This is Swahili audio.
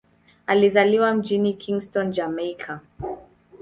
Alizaliwa mjini Kingston, Jamaika.